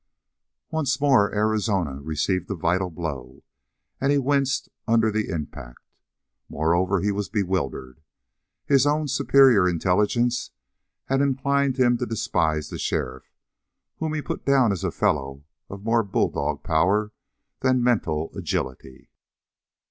Once more Arizona received a vital blow, and he winced under the impact. Moreover, he was bewildered. His own superior intelligence had inclined him to despise the sheriff, whom he put down as a fellow of more bulldog power than mental agility.